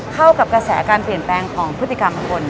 เข้ากับกระแสการเปลี่ยนแปลงของพฤติกรรมคน